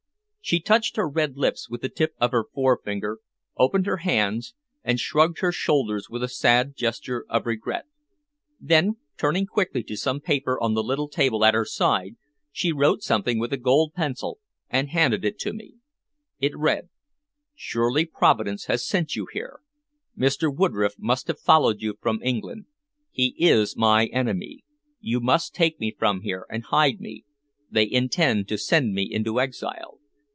She touched her red lips with the tip of her forefinger, opened her hands, and shrugged her shoulders with a sad gesture of regret. Then turning quickly to some paper on the little table at her side she wrote something with a gold pencil and handed to me. It read "Surely Providence has sent you here! Mr. Woodroffe must have followed you from England. He is my enemy. You must take me from here and hide me. They intend to send me into exile.